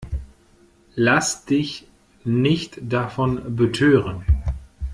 Lass dich nicht davon betören!